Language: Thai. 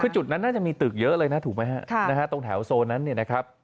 คือจุดนั้นน่าจะมีตึกเยอะเลยนะถูกไหมฮะนะฮะตรงแถวโซนนั้นเนี่ยนะครับ